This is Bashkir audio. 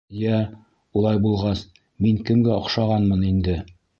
— Йә, улай булғас, мин кемгә оҡшағанмын инде?